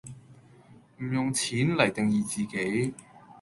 唔用「錢」黎定義自己